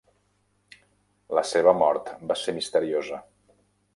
La seva mort va ser misteriosa.